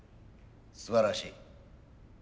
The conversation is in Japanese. すばらしい。